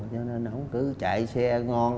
cho nên ổng cứ chạy xe ngon